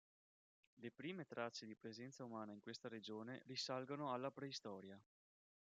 Le prime tracce di presenza umana in questa regione risalgono alla preistoria.